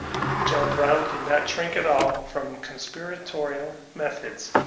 John Brown did not shrink at all from con spiratical methods.